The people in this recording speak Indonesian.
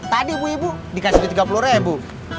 tadi ibu ibu dikasih tiga puluh rebu